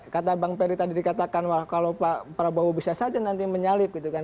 kata bang peri tadi dikatakan kalau pak prabowo bisa saja nanti menyalip gitu kan